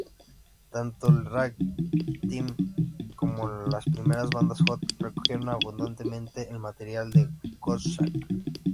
Tanto el ragtime como las primeras bandas hot recogieron abundantemente el material de Gottschalk.